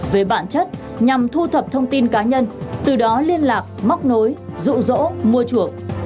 về bản chất nhằm thu thập thông tin cá nhân từ đó liên lạc móc nối dụ dỗ mua chuộc